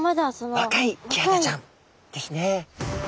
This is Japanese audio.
若いキハダちゃんですね。